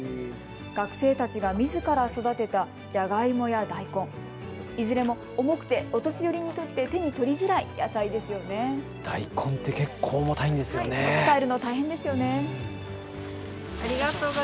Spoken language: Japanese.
学生たちがみずから育てたジャガイモや大根、いずれも重くてお年寄りにとって手に取りづらい野菜ですよね。